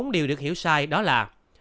bốn điều được hiểu sai đó là